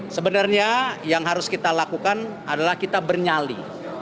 sebenarnya yang harus kita lakukan adalah kita bernyali